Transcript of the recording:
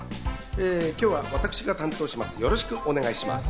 今日は私が担当いたします。